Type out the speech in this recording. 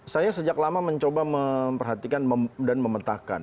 saya sejak lama mencoba memperhatikan dan memetakan